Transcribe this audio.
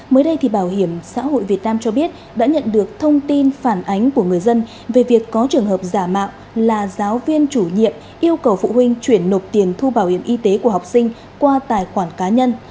mới đây thì bảo hiểm xã hội việt nam cho biết đã nhận được thông tin phản ánh của người dân về việc có trường hợp giả mạo là giáo viên chủ nhiệm yêu cầu phụ huynh chuyển nộp tiền thu bảo hiểm y tế của học sinh qua tài khoản cá nhân